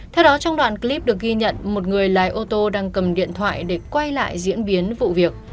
theo đó trong đoạn clip được ghi nhận một người lái ô tô đang cầm điện thoại để quay lại diễn biến vụ việc